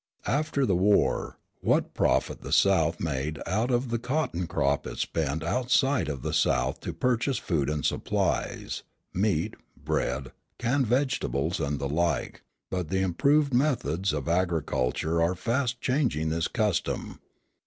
After the war, what profit the South made out of the cotton crop it spent outside of the South to purchase food supplies, meat, bread, canned vegetables, and the like, but the improved methods of agriculture are fast changing this custom.